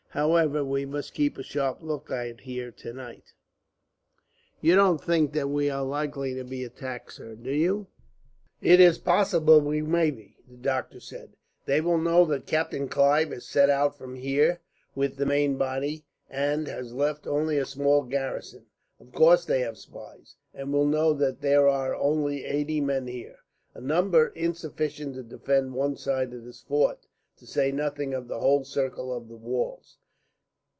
However, we must keep a sharp lookout here, tonight." "You don't think that we are likely to be attacked, sir, do you?" "It is possible we may be," the doctor said. "They will know that Captain Clive has set out from here, with the main body, and has left only a small garrison. Of course they have spies, and will know that there are only eighty men here, a number insufficient to defend one side of this fort, to say nothing of the whole circle of the walls.